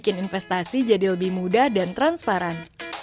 dan membuat investasi jadi lebih mudah dan transparan